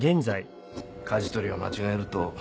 かじ取りを間違えると。